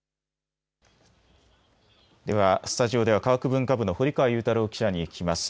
ではスタジオでは科学文化部の堀川雄太郎記者に聞きます。